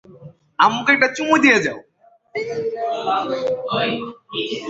আম্মুকে একটা চুমু দিয়ে যাও।